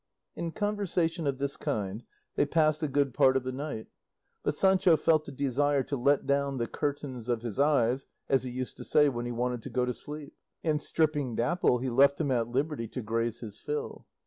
In conversation of this kind they passed a good part of the night, but Sancho felt a desire to let down the curtains of his eyes, as he used to say when he wanted to go to sleep; and stripping Dapple he left him at liberty to graze his fill.